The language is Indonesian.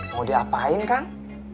mau diapain kang